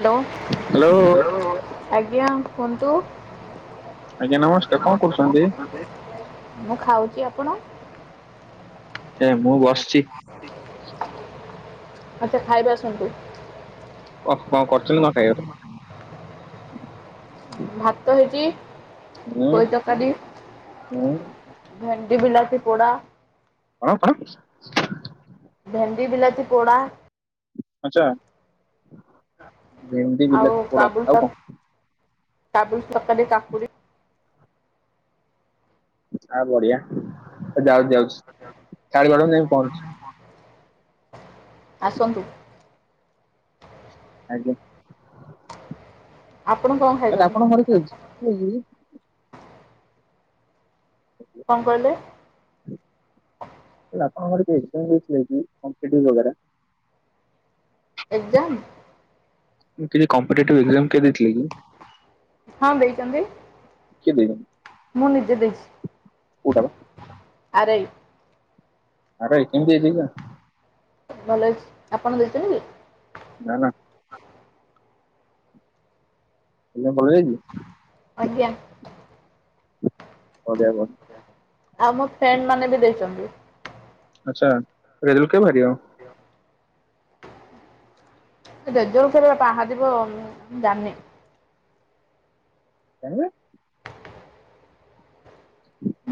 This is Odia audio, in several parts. ହ୍ୟାଲୋ ହ୍ୟାଲୋ ଆଜ୍ଞା କୁହନ୍ତୁ? କଣ କରୁଛନ୍ତି, ମୁଁ ଖାଉଛି ଆପଣ? ଏ ମୁଁ ବସିଛି ଆଚ୍ଛା ଖାଇବେ ଆସନ୍ତୁ। କଣ କରିଛନ୍ତି କି ଖାଇବାକୁ? ଭାତ ହେଇଛି। ମୁଁ ପୋଇ ତରକାରୀ ମୁଁ ଭେଣ୍ଡି ବିଲାତି ପୋଡା। କଣ କଣ? ଭେଣ୍ଡି ବିଲାତି ପୋଡା। ଆଛା ଭେଣ୍ଡି ଆଉ ବିଲାତି ପୋଡ଼ା, ଆଉ କଣ? କାବୁଲି ତରକାରି କାକୁଡି। ଆଁ ବଢିଆ ଯାଉ ଯାଉଛି ଥାଳି ବାଢ଼ ମୁଁ ଯାଇକି ପହଞ୍ଚୁଛି। ଆସନ୍ତୁ। ଆଜ୍ଞା ଆପଣ କଣ ଖାଇଛନ୍ତି ଆପଣ ଘର କିଏ [unintelligible] କଣ କହିଲେ? ଆପଣଙ୍କ ଘରେ କିଏ ଏକ୍ସାମ୍ ଦେଇଥିଲେ କି କମ୍ପିଟିଭ ଘରିକା? ଏକକ୍ଜାମ। ମୁଁ କହିଲି କିଏ କମ୍ପିଟେଟିଭ ଏକ୍ଜାମ କିଏ ଦେଇଥିଲେ କି? ହଁ ଦେଇଛନ୍ତି। କିଏ ଦେଇଛନ୍ତି। ମୁଁ ନିଜେ ଦେଇଛି କୋଉଟା ବା ଆରାଇ। ଆ ରା ଇ କେମିତି ହେଇଛି ଏଜାମ୍? ଭଲ ହେଇଛି ଆପଣ ଦେଇଥିଲେ କି? ନା ନା। [unintelligible] ଆଜ୍ଞା। ବଡ଼ିଆ। ଆଉ ମୋ ଫ୍ରେଣ୍ଡ ମାନେ ବି ଦେଇଛନ୍ତି। ଆଚ୍ଛା ରେଜଲ୍ଟ କେବେ ବାହାରିବା। ଦରେଜଲ୍ଟ କେବେ ବାହାରିବା ମୁ ଜାଣିନି। ଜାଣିନ।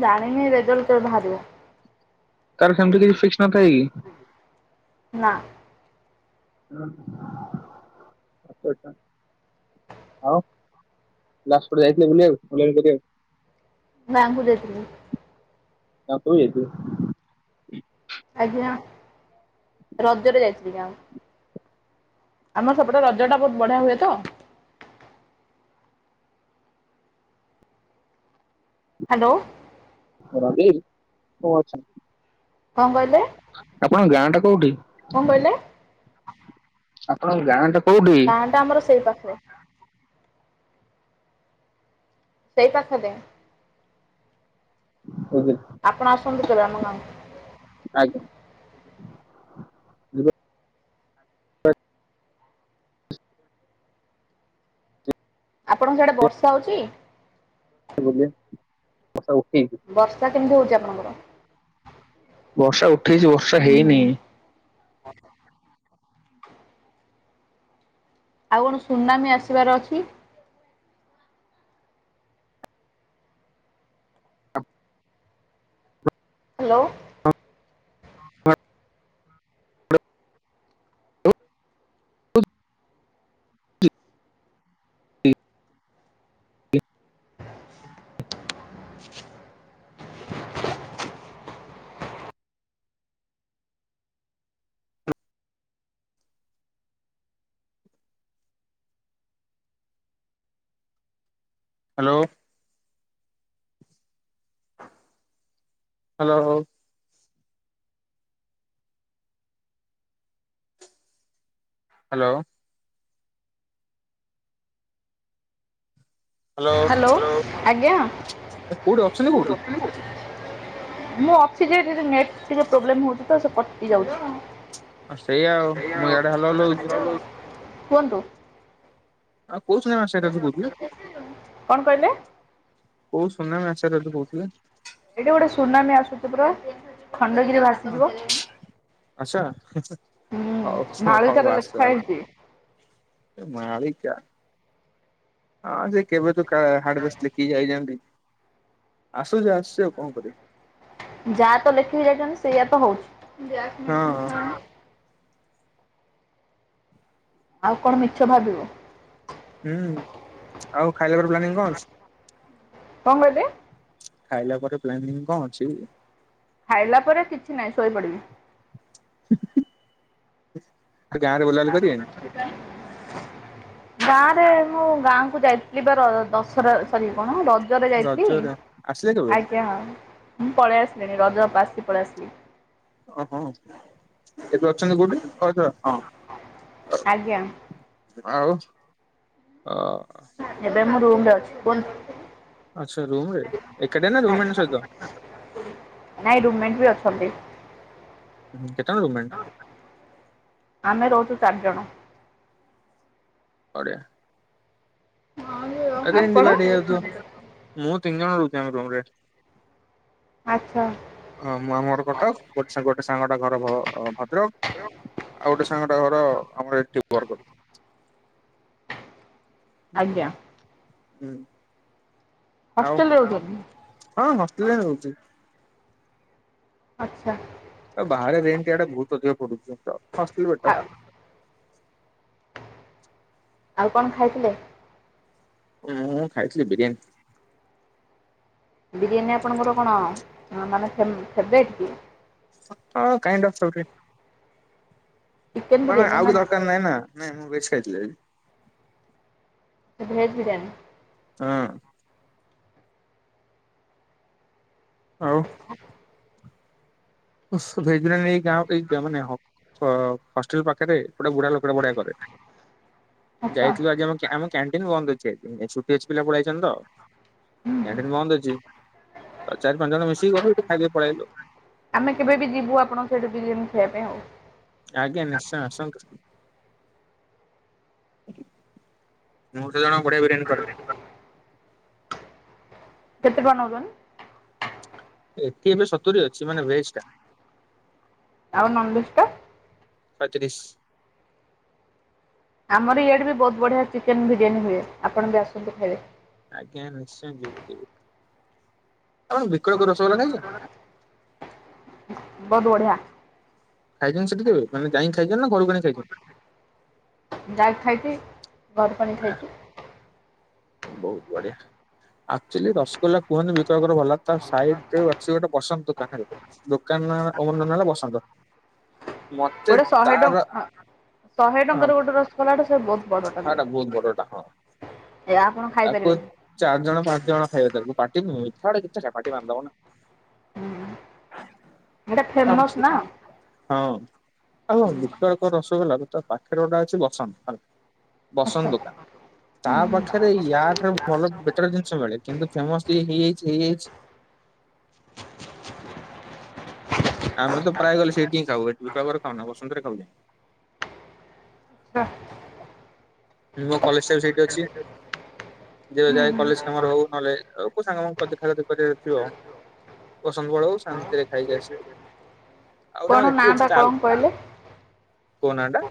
ଜାଣିନି ରେଜଲ୍ଟ କେବେ ବାହାରିବ। ତାର ସେମିତି କିଛି ଫିକ୍ସ ନଥାଇ କି। ନା। ହଁ [unintelligible] ହଁ ଲାଷ୍ଟ କୁଆଡେ ଯାଇଥିଲେ ବୁଲିବାକୁ [unintelligible] କରିବାକୁ। ଗାଁ କୁ ଯାଇଥିଲି। ଗାଁକୁ ଯାଇଥିଲେ। ଆଜ୍ଞା ରଜରେ ଯାଇଥିଲି ଗାଁ କୁ। ଆମର ସେପଟେ ରଜ ଟା ବହୁତ ବଢିଆ ହୁଏ ତ। ହ୍ୟାଲୋ। [unintelligible] କଣ କହିଲେ? ଆପଣଙ୍କ ଗାଁ ଟା କୋଉଠି? କଣ କହିଲେ? ଆପଣଙ୍କ ଗାଁ ଟା। କୋଉଠି? ଗାଁ ଟା ଆମର ସେଇ ପାଖରେ। ସେଇ ପାଖରେ। [unintelligible] ଆପଣ ଆସନ୍ତୁ କେବେ ଆମ ଗାଁ କୁ। ଆଜ୍ଞା। ଯିବା ଆପଣଙ୍କ ସେଆଡେ ବର୍ଷା ହଉଛି। [unintelligible] ବର୍ଷା ଉଠେଇଛି। ବର୍ଷା କେମିତି ହଉଛି ଆପଣଙ୍କର। ବର୍ଷା ଉଠେଇଛି ବର୍ଷା ହୁଁ ହେଇନି। ହୁଁ ଆଉ କଣ ସୁନାମୀ ଆସିବାର ଅଛି? ହ୍ୟାଲୋ? ହଁ ହ [unintelligible] ହ ହ [unintelligible] ହ୍ୟାଲୋ? ହ୍ୟାଲୋ? ହ୍ୟାଲୋ। ହ୍ୟାଲୋ ଆଜ୍ଞା। କୋଉଠି ଅଛନ୍ତି କୋଉଠି? ମୁଁ ଅଛି ଯେ ନଟ ଟିକେ ପ୍ରୋବ୍ଲେ ହଉଛି ତ ସେ କଟି ଆ ସେଇଆ ଆଉ ଯାଉଛି। ମୁଁ ଇଆଡେ ହ୍ୟାଲୋ ହ୍ୟାଲୋ ହଉଛି ଉ କୁହନ୍ତୁ। ଆଉ କଉ ନେ ଆସ କରହୁଥିଲେ [inaudible] କଣ କହିଲେ? କୋଉ ସୁୁନାମ ଆଚୁ କହୁଥିଲେ? ଏଇଟି ଗୋଟେ ସୁନାମୀ ଆସୁଛି ପୁରା ଖଣ୍ଡଗିରି ଭାଷା ହ ଆଛା ହଉ ହୁଁ। ହଉ ମାଳିକାରେ ହଉ ଆସ ଲେଖା ହେଇଛି। ଆସ। ମାଳିକା। ହଁ ସେ କେବେଠୁ [unintelligible] କି ଯାଇଛନ୍ତି ଆସୁଛି ଆସୁଛି ଆଉ କଣ କରିବି। ଯାହା ତ ଲେଖିକି ଯାଇଛନ୍ତି ସେଇୟା ତ ହଁ ହଉଛି। ଆଉ କଣ ମିଛ ଭାବିବ। ହୁଁ ଆଉ ଖାଇଲା ପରେ ପ୍ଲାନିଂ? କଣ ଅଛି? କଣ କହିଲେ? ଖାଇଲା ପରେ ପ୍ଲାନିଂ କଣ ଅଛି? ଖାଇଲା ପରେ କିଛି ନାହିଁ ଶୋଇପଡିବି। [unintelligible] ବୁଲାବୁଲି [unintelligible] [unintelligible] ଗାଁରେ ମୁଁ ଗାଁକୁ ଯାଇଥିଲି ବା ର ଦଶହରା ସରି କଣ ରଜରେ ଯାଇଥିଲି ରଜରେ ଆସିଲେ କେବେ? ଆଜ୍ଞା ହଁ ମୁଁ ପଳେଇ ଆସିଲିଣିି ରଜ ବାସି ପଳେଇ ଆସିଲି। ଓହଁ ଏବେ ଅଛନ୍ତି କୋଉଠି [unintelligible] ଆଜ୍ଞା ଆଉ। ଏବେ ମୁଁ ରୁମରେ ଅଛି କୁହନ୍ତୁ। ଆଛା ରୁମରେ ଏକାଟିଆ ନା ରୁମମେଣ୍ଟ ସହିତ। ନାଇଁ ରୁମମେଣ୍ଟ ବି ଅଛନ୍ତି। କେତେ ଜଣ ରୁମମେଣ୍ଟ? ଆମେ ରହୁଛୁ ଚାରି ଜଣ। ବଢିଆ। ରେଣ୍ଟ ଡେଭିଡ ଆପଣ ହୋଇଯାଉଥିବା ମୁଁ ତିିନି ଜଣ ରୋହୁଚୁ ଆମେ ରମରେ। ଆଚ୍ଛା। ଅ ମୁଁ ଆମର କଟକ ଗୋଟେ ଗୋଟେ ସାଙ୍ଗଟା ଘର ଭଦ୍ରକ। ଆଉ ଗୋଟେ ସାଙ୍ଗଟା ଘର ଆମର ଏଠି ବରଗ ଆଜ୍ଞା [unintelligible] ହୁଁ। ଆଉ ହଷ୍ଟେଲରେ ରହୁଛନ୍ତି। ହଁ ହଷ୍ଟେଲରେ ରଉଛି। ଆଚ୍ଛା। ଆଉ ବାହାରେ ରେଣ୍ଟ ଇଆଡ଼େ ବହୁତ ଅଧିକ ପଡୁଛି ତ ହଷ୍ଟେଲ ବେଟର। ଆଉ ଆଉ କଣ ଖାଇଥିଲେ? ମୁଁ ଖାଇଥିଲି ବିରିୟାନୀ। ବିରିୟାନୀ ଆପଣଙ୍କର କଣ ମାନେ ଫେବରେଟ୍ କି? ହଁ କାଇଣ୍ଡ ଅଫ ସମ୍ ଚିକେନ ମାନେ ବିରିୟାନୀ ଆଉ ନା କି ଦରକାର ନାଇଁ ନା ନାଇଁ ମୁଁ ବେଶୀ ଖାଇଥିଲି। ଭେଜ ବିରିୟାନୀ। ହଁ। ଆଉ। ହ [inaudible] ଭେଜ୍ ବିରିୟାନୀ [unintelligible] ମାନେ ହଷ୍ଟେଲ ପାଖରେ ଗୋଟେ ବୁଢା ଲୋକ ବଢିଆ କରେ ଆଚ୍ଛା। ଯାଇଥିଲୁ ଆଜି ଆମ [unintelligible] କ୍ୟାଣ୍ଟିନ୍ ବନ୍ଦ ଅଛି ଆଜି ଏଇ ଛୁଟି ଅଛି ପିଲା ପଳାଇଛନ୍ତି ତ। ହୁଁ ହୁଁ କ୍ୟାଣ୍ଟିନ ବନ୍ଦ ଅଛି। ତ ଚାରି ପାଞ୍ଚ ଜଣ ମିଶିକି ଗଲୁ ସେଠୁ ଖାଇଦେଇକି ପଳେଇଆଇଲୁ। ଆମେ କେବେ ବି ଯିବୁ ଆପଣଙ୍କ ସେଇଠୁ ବିରୀୟାନି ଖାଇବା ପାଇଁ ଆଉ। ଆଜ୍ଞା ନିଶ୍ଚୟ ଆସନ୍ତୁ। ମୁଁ ତ ଜାଣ ବଢିଆ ବିରିୟାନୀ କରେ। କେତେ ଟଙ୍କା ନେଉଛନ୍ତି? ଏଠି ଏବେ ସତୁରି ଅଛି ମାନେ ଭେଜ୍ ଟା। ଆଉ ନନଭେଜ୍ ଟା? ଶହେ ତିରିଶ୍। ଆମର ଇଆଡେ ବି ବହୁତ୍ ବଢ଼ିଆ ଚିକେନ ବିରିୟାନୀ ହୁଏ, ଆପଣ ବି ଆସନ୍ତୁ ଖାଇବେ। ଆଜ୍ଞା ନିଶ୍ଚୟ ଯିବି ଯିବି ଆପଣ ବିକଳପୁର୍ ରସଗୋଲା ଖାଇଛନ୍ତି? ବୋହୁତ୍ ବଢିଆ। ଖାଇଛନ୍ତି ସେତ୍କିରୁ ମାନେ ଯାଇକି ଖାଇଛନ୍ତି ନା ଘରକୁ ଆଣିକି ଖାଇଛନ୍ତି? ଯାକ୍ ଖାଇଛି ଘରକୁ ଆଣିକି ଖାଇଛି। ବହୁତ୍ ବଢିଆ। ଅକ୍ଚୋଲି ରସଗୋଲା କୁହନ୍ତି ବିକଳଙ୍କର ଭଲ ତା ସାଇଡରେ ଅଛି ଗୋଟେ ବସନ୍ତ ଦୋକାନରେ। ଦୋକାନ ଓନର୍ ନାଁ ହେଲା ବସନ୍ତ। ମତେ ଗୋଟେ ଶହେ ତାର ଟଙ୍କା ଆ ଶହେ ଟଙ୍କାରେ ଗୋଟେ ରସ୍ ଗୋଲା ସେ ବୋହୁତ୍ ବଡ ଟା। ସେଟା ବହୁତ୍ ବଡଟା ହଁ। ଏ ଆପଣ ତାକୁ ଖାଇପାରିବେନି। ଚାରି ଜଣ ପାଞ୍ଚ ଜଣ ଖାଇବେ ତାକୁ ପାଟିକୁ ମିଠା ପାଟି ବାନ୍ଧିଦେବ ନାଁ। ହୁଁ ହେଟା ଫେମସ୍ ନାଁ? ହଁ। ଆଉ ବିକଳଙ୍କ ରସଗୋଲା ତା ପାଖରେ ଗୋଟେ ଅଛି ବସନ୍ତ। ବସନ୍ତ ଦୋକାନ ତା ହୁଁ ହୁଁ ପାଖରେ ୟାଠାରୁ ଭଲ ବେ ବେଟର୍ ଜିନିଷ ମିଳେ କିନ୍ତୁ ଫେମସ୍ ହେଇଯାଇଛି ହେଇଯାଇଛି। ଆମେ ତ ପ୍ରାୟ ଗଲେ ସେଠି ହିଁ ଖାଉ ଏଠି ବିକଳର ଖାଉନା ବସନ୍ତରେ ଖାଉ। ଆଁ। ମୋ କଲେଜ୍ ଟା ବି ସେଇଠି ଅଛି, ଯିଏ ହୁଁ ଯାଏ ହୁଁ। କଲେଜ୍ କାମରେ ହଉ ନହେଲେ ହଉ‌। ମୁଁ ସାଙ୍ଗମାନଙ୍କ ଦେଖା ଦେଖି କରିବାରଥିବ ବସନ୍ତ ପଳଉ ଶାନ୍ତିରେ ଖାଇକି ଆସିବୁ। ଆଉଟା କଣ ନାଁ ଏଠି ଅଛି ଟା ତା କଣ କହିଲେ ଆଗୁକୁ କୋଉ ନାଁ ଟା?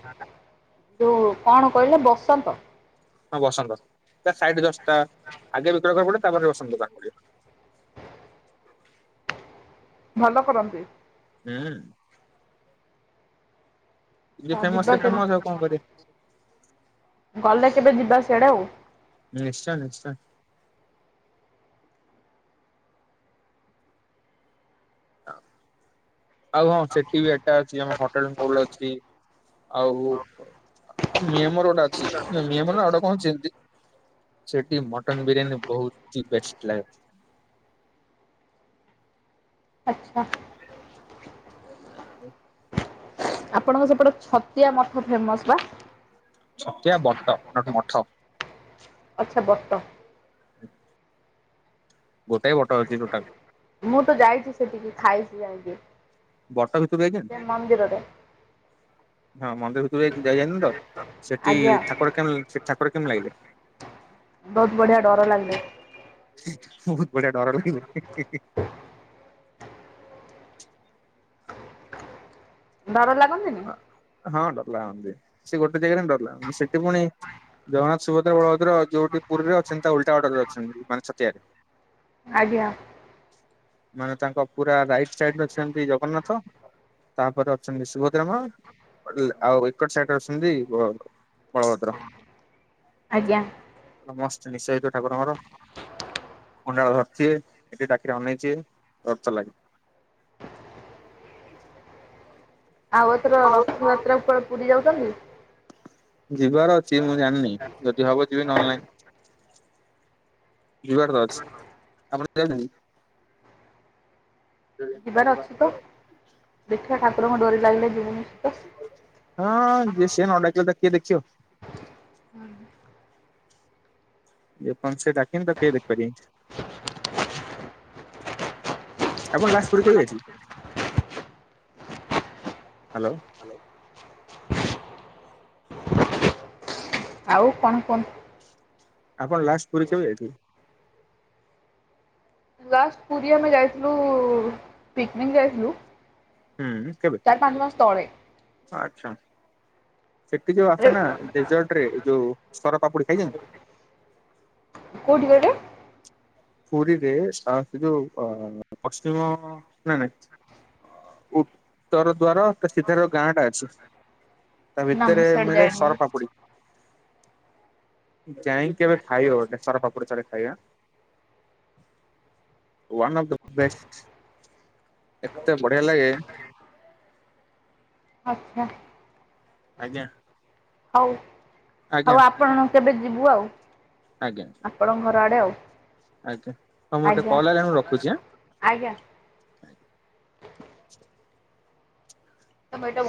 ଯୋଉଁ କଣ କହିଲେ ବସନ୍ତ? ହଁ ବସନ୍ତ ତା ସାଇଡ୍ ରେ ଜଷ୍ଟ୍ ତା ଆଗେ ବିକଳ ଦୋକାନ ପଡିବ ତାପରେ ବସନ୍ତ ଦୋକାନ ପଡିବ। ଭଲ କରନ୍ତି? ହୁଁ। ଯେ ହଁ ଫେମସ ଯିବା ସେ କେବେ ଫେମସ ଆଉ କଣ କରିବା ଗଲେ କେବେ ଯିବା ସିଆଡେ ଆଉ। ନିଶ୍ଚୟ ନିଶ୍ଚୟ। ଆଉ ହଁ ସେଠି ବି ଏଟା ଅଛି ଆମ ହୋଟେଲ୍ ମୋହୁଲ ଅଛି। ଆଉ ମିଆମୋର ଗୋଟେ ଅଛି ମିଆମୋର ନା ଆଉଗୋଟେ କଣ୍ ଯେମି ସେଠି ମଟନ୍ ବିରିୟାନୀ ବହୁତ୍ ବେଷ୍ଟ୍ ଲାଗେ। ଆଚ୍ଛା। [unintelligible] ଆପଣଙ୍କ ସେପଟେ ଛତିଆ ମଠ ଫେମସ୍ ବା? ଛତିଆ ବଟ ନଟ୍ ମଠ। ଆଚ୍ଛା ବଟ। ଗୋଟେ ବଟ ଅଛି ଟୋଟାଲ୍। ମୁଁ ତ ଯାଇଛି ସେଠିକି, ଖାଇଛି ଆଇଲି। ବଟ ଭିତରକୁ ଯାଇଛନ୍ତି? ମନ୍ଦିରରେ। ‌ ହଁ ମନ୍ଦିର ଭିତରୁ ଯାଇ ଯାଇନତ, ସେଠି ଆଜ୍ଞା ଠାକୁର କେ ଠାକୁର କେମିତି ଲାଗିଲେ? ବହୁତ୍ ବଢିଆ ଡର ଲାଗିଲେ। ବହୁତ ବଢିଆ ଡର ଲାଗିଲେ। ଡର ଲାଗନ୍ତିନି? ହଁ ଡର ଲାଗନ୍ତି। ସେ ଗୋଟେ ଜାଗାରେ ହିଁ ଡର ଲାଗନ୍ତି। ସେଠି ପୁଣି ଜଗନ୍ନାଥ, ସୁଭଦ୍ରା, ବଳଭଦ୍ର ଯୋଉଠି ପୁରୀରେ ଅଛନ୍ତି, ତା ଓଲଟା ଅର୍ଡରରେ ଅଛନ୍ତି ମାନେ ଛତିଆରେ। ଆଜ୍ଞା। ମାନେ ତାଙ୍କ ପୁରା ସାଇଟ୍ ସାଇଟ୍ ରେ ଅଛନ୍ତି ଜଗନ୍ନାଥ ତାପରେ ଅଛନ୍ତି ଶୁଭ ଭଦ୍ରା ମାଆ ଆଉ ଏପଟ ସାଇଟରେ ଅଛନ୍ତି ବଳଭଦ୍ର। ଆଜ୍ଞା। [unintelligible] ଠାକୁରଙ୍କର। କୁଣ୍ଡାଳ ଧରିଥିବେ, ଏଡେ ଏଡେ ଆଖି ରେ ଅନେଇ ଥିବେ, ଡର ତ ଲାଗେ। ଆଉ ଏଥର ରଥଯାତ୍ରାକୁ କୁଆଡ଼େ ପୁରୀ ଯାଉଛନ୍ତି‌? ଯିବାର ଅଛି ମୁଁ ଜାଣିନି, ଯଦି ହବ ଯିବି ନହେଲେ ନାହିଁ। ଯିବାର ତ ଅଛି। ଆପଣ। [unintelligible] ଯିବାର ଯାଉଛନ୍ତି? ଅଛି ତ, ଦେଖିବା ଠାକୁରଙ୍କ ଡୋରି ଲାଗିଲେ ଯିବୁ ନିଶ୍ଚିତ। ହଁ, ଯେ ସିଏ ନ ଡାକିଲେ ତାକୁ କିଏ ଦେଖିବ? ହଁ। ଯେ ପର୍ଯ୍ୟନ୍ତ ସେ ଡାକିନି, ତାକୁ କେହି ଦେଖିପାରିବେ ନି। ଆପଣ ଲାଷ୍ଟ ପୁରୀ କେବେ ଯାଇଥିଲେ? ହ୍ୟାଲୋ? ଆଉ କଣ କୁହନ୍ତୁ? ଆପଣ ଲାଷ୍ଟ ପୁରୀ କେବେ ଯାଇ ଥିଲେ? ଲାଷ୍ଟ ପୁରୀ ଆମେ ଯାଇଥିଲୁ, ପିକନିକ୍ ଯାଇଥିଲୁ। ହୁଁ। କେବେ? ଚାରି ପାଞ୍ଚ ମାସ ତଳେ। ଆଚ୍ଛା। ସେଠି ଯୋଉ ଆସେ ନା, ଡେଜଟ ରେ ଯୋଉ ସରପାପୁଡି ଖାଇଛନ୍ତି? କୋଉଠି କହିଲେ? ପୁରୀରେ ସେ ଯୋଉ ଅ ପଶ୍ଚିମ ନାଇଁ ନାଇଁ ଉତ୍ତର ଦ୍ଵାର ତା ସିଧା ରେ ଯୋଉ ଗାଁ ଟା ଅଛି, ତା ନା ମୁଁ ଭିତରେ ସିଆଡେ ମିଳେ ଯାଇନି। ସରପାପୁଡି। ଯାଇକି କେବେ ଖାଇବେ ଗୋଟେ ସରପାପୁଡି ଥରେ ଖାଇବ ୱନ ଅଫ ଦ ବେଷ୍ଟ। ଏତେ ବଢିଆ ଲାଗେ ଆଚ୍ଛା। ଆଜ୍ଞା। ହଉ, ଆଜ୍ଞା ହଉ ଆପଣ କେବେ ଯିବୁ ଆଉ। ଆଜ୍ଞା। ଆପଣଙ୍କ ଘର ଆଡ଼େ ଆଉ। ଆଜ୍ଞା, ହଉ ମୋର ଟିକେ ଆଜ୍ଞା କଲ ଆଇଲାଣି ମୁ ରଖୁଛି ଆଁ? ଆଜ୍ଞା। [unintelligible]